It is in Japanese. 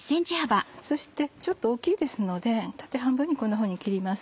そしてちょっと大きいですので縦半分にこんなふうに切ります。